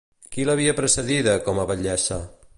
Qui l'havia precedida com a batllessa?